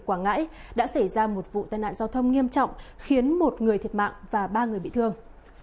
quảng ngãi đã xảy ra một vụ tai nạn giao thông nghiêm trọng khiến một người thiệt mạng và ba người bị thương